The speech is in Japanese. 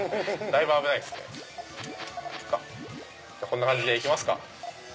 こんな感じで行きますか。